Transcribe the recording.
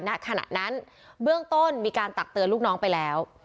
ณขณะนั้นเบื้องต้นมีการตักเตือนลูกน้องไปแล้ว